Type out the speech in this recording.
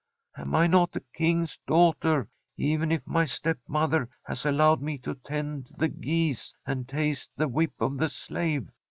Am I not a King's daughter, even if my stepmother has allowed me to tend the geese and taste the whip of the slave